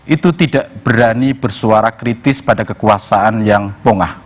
itu tidak berani bersuara kritis pada kekuasaan yang pongah